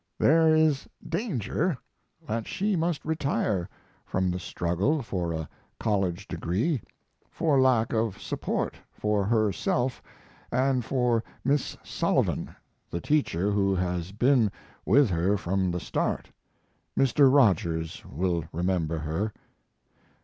There is danger that she must retire from the struggle for a college degree for lack of support for herself & for Miss Sullivan (the teacher who has been with her from the start Mr. Rogers will remember her).